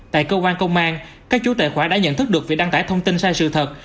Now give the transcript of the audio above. tại công an tp hcm các chủ tài khoản đã nhận thức được việc đăng tải thông tin sai sự thật